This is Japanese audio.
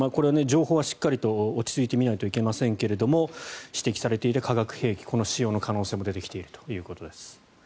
情報はしっかりと落ち着いて見ないといけませんが指摘されていた化学兵器の使用の可能性も出てきたということです。